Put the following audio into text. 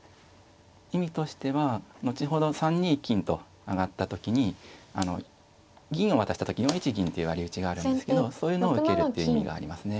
意味としては後ほど３二金と上がった時にあの銀を渡した時４一銀っていう割り打ちがあるんですけどそういうのを受けるっていう意味がありますね。